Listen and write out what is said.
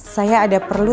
saya ada perlu